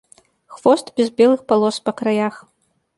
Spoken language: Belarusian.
Хвост без белых палос па краях.